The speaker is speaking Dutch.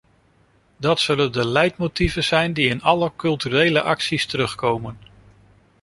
Dat zullen de leidmotieven zijn die in alle culturele acties terugkomen.